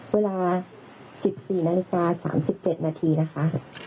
เวลาสิบสี่นาฬิกาสามสิบเจ็ดนาฬิกานะคะ